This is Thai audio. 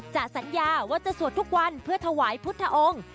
สัญญาว่าจะสวดทุกวันเพื่อถวายพุทธองค์